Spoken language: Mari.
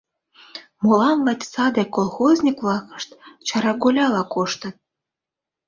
Молан лач саде колхозник-влакышт чараголяла коштыт?